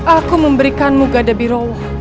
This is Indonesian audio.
aku memberikanmu gadabirowo